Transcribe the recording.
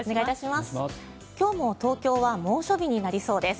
今日も東京は猛暑日になりそうです。